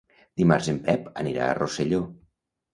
Dimarts en Pep anirà a Rosselló.